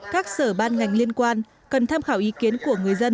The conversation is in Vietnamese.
các sở ban ngành liên quan cần tham khảo ý kiến của người dân